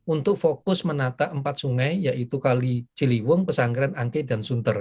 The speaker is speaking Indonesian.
untuk fokus menata empat sungai yaitu kali ciliwung pesanggeran angke dan sunter